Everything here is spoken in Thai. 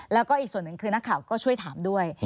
แล้วก็อีกส่วนหนึ่งคือนักข่าวก็ช่วยถามด้วย